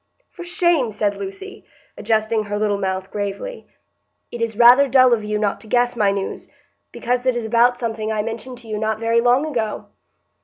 '" "For shame!" said Lucy, adjusting her little mouth gravely. "It is rather dull of you not to guess my news, because it is about something I mentioned to you not very long ago."